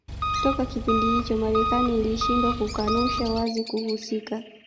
Toka kipindi hicho Marekani ilishindwa kukanusha wazi kuhusika